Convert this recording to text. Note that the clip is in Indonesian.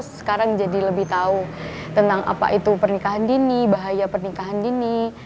sekarang jadi lebih tahu tentang apa itu pernikahan dini bahaya pernikahan dini